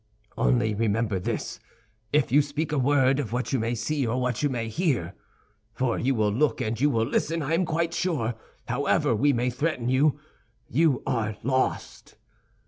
Only remember this—if you speak a word of what you may see or what you may hear (for you will look and you will listen, I am quite sure, however we may threaten you), you are lost.